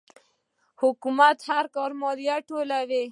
حکومت هر کال مالیه ټولوي.